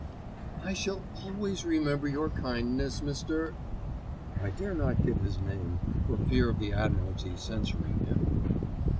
"I shall always remember your kindness, Mr. ——" (I dare not give his name for fear of the Admiralty censuring him).